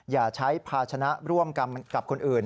อย่าใช้ภาชนะร่วมกันกับคนอื่น